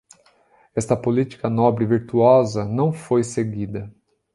Esta política nobre e virtuosa não foi seguida.